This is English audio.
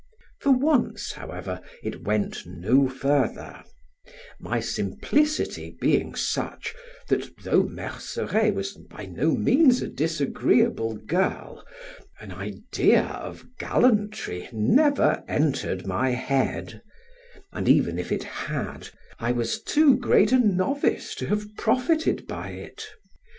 For once, however, it went no further; my simplicity being such, that though Merceret was by no means a disagreeable girl, an idea of gallantry never entered my head, and even if it had, I was too great a novice to have profited by it.